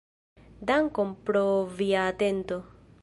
Dankon pro via atento.